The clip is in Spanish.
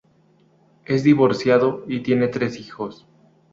Es divorciado y tiene tres hijos.